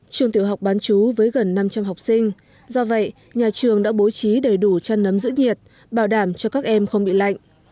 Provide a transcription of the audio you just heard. trường tiểu học bán chú với gần năm trăm linh học sinh do vậy nhà trường đã bố trí đầy đủ chăn nấm giữ nhiệt bảo đảm cho các em không bị lạnh